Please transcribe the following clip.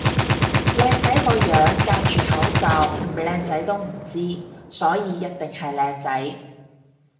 靚仔個樣隔住口罩唔靚仔都唔知，所以一定係靚仔